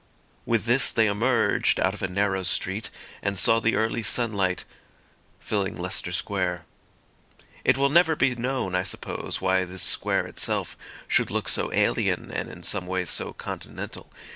With this they emerged out of a narrow street, and saw the early sunlight filling Leicester Square. It will never be known, I suppose, why this square itself should look so alien and in some ways so continental.